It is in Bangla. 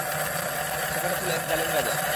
সেখানে ছিল এক জালিম রাজা।